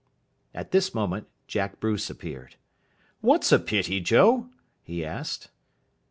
At this moment Jack Bruce appeared. "What's a pity, Joe?" he asked.